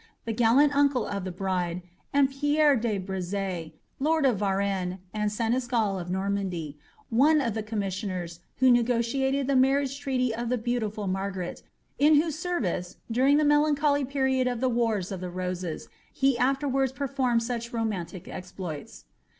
133 ie Breze, lord of Varenne^ and seneschal of Normandy, one of the com* mitfsioiiere, who negotiated the marriaj^e treaty of the beautiful Margaret, in whose service, during the melancholy period of the wars of the Roses, he afterwards performed such romantic exploits.'